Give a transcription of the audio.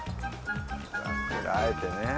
和えてね。